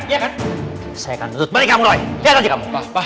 saya akan nudut balik kamu roy lihat aja kamu